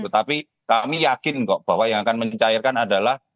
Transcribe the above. tetapi kami yakin kok bahwa yang akan mencairkan adalah